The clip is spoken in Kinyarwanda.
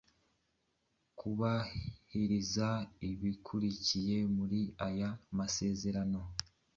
kubahiriza ibikubiye muri aya masezerano